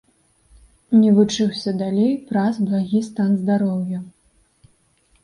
Не вучыўся далей праз благі стан здароўя.